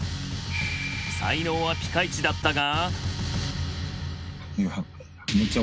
才能はピカイチだったが。